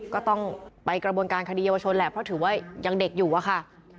ก็ต้องไปกระบวนการคดีเยาวชนแหละเพราะถือว่ายังเด็กอยู่อะค่ะ